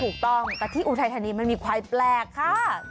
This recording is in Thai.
ถูกต้องแต่ที่อุทัยธานีมันมีควายแปลกค่ะ